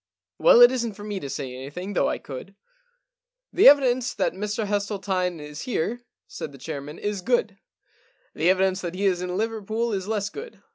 Well, it isn't for me to say anything, though I could.' * The evidence that Mr Hesseltine is here,' said the chairman, * is good. The evidence that he is in Liverpool is less good.